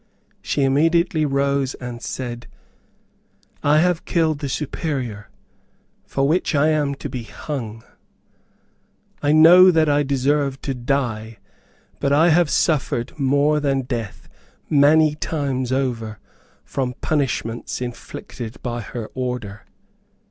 She immediately rose and said, "I have killed the Superior, for which I am to be hung. I know that I deserve to die, but I have suffered more than death many times over, from punishments inflicted by her order.